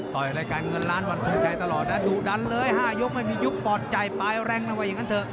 รายการเงินล้านวันทรงชัยตลอดนะดุดันเลย๕ยกไม่มียุคปลอดใจปลายแรงนะว่าอย่างนั้นเถอะ